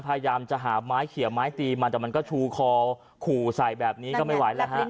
พยายามจะหาไม้เขียไม้ตีมันแต่มันก็ชูคอขู่ใส่แบบนี้ก็ไม่ไหวแล้วฮะ